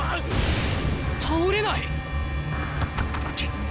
た倒れない！